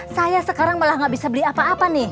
saya sekarang malah gak bisa beli apa apa nih